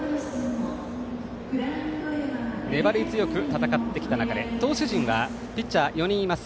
粘り強く戦ってきた中で投手陣はピッチャー４人います。